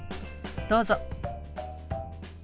どうぞ。